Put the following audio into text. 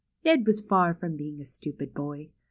Ned was far from being a stupid boy.